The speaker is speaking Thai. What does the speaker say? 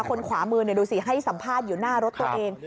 คนขวามือดูสิให้สัมภาษณ์อยู่หน้ารถตัวเอง